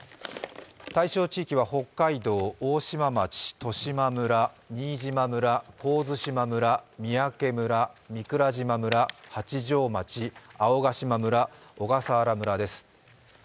対象地域は北海道、大島町、新島村、神津島村、三宅村、御蔵島村、八丈町、青ヶ島村、小笠原村です。